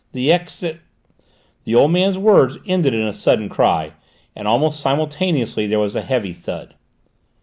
The exe " The old man's words ended in a sudden cry, and almost simultaneously there was a heavy thud.